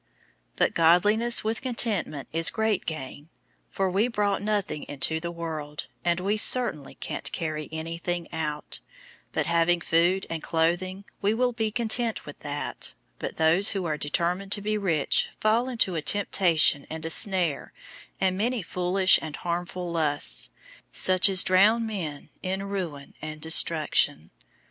"} 006:006 But godliness with contentment is great gain. 006:007 For we brought nothing into the world, and we certainly can't carry anything out. 006:008 But having food and clothing, we will be content with that. 006:009 But those who are determined to be rich fall into a temptation and a snare and many foolish and harmful lusts, such as drown men in ruin and destruction.